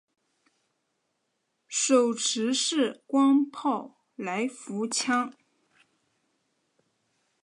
手持式光炮来福枪。